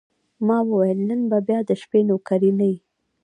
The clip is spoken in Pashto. ما وویل: نن به بیا د شپې نوکري نه یې؟